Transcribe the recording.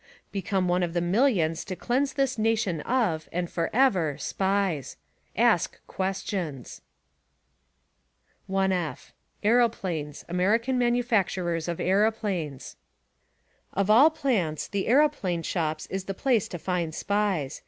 Become one of the millions to cleanse this nation of, and forever — SPIES. Ask questions ! IF. (Aeroplanes) American Manufacturers of Aeroplanes. Of all plants the aeroplane shops is the place to find SPIES.